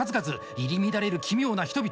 入り乱れる奇妙な人々。